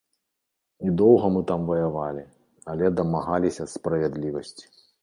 І доўга мы там ваявалі, але дамагаліся справядлівасці.